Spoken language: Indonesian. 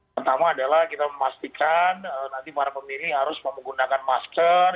pertama adalah kita memastikan nanti para pemilih harus menggunakan masker